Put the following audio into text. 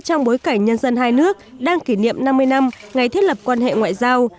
trong bối cảnh nhân dân hai nước đang kỷ niệm năm mươi năm ngày thiết lập quan hệ ngoại giao